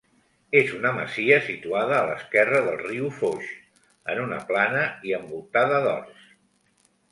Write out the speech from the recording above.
És una masia situada a l'esquerra del riu Foix, en una plana i envoltada d'horts.